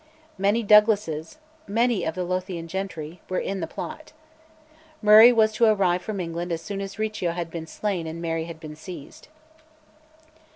Many Douglases, many of the Lothian gentry, were in the plot. Murray was to arrive from England as soon as Riccio had been slain and Mary had been seized.